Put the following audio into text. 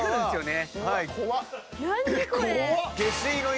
怖っ！